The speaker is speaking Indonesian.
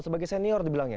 sebagai senior dibilangnya